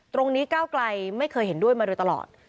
ก้าวไกลไม่เคยเห็นด้วยมาโดยตลอด